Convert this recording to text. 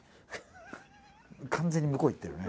完全に向こうに行ってるね。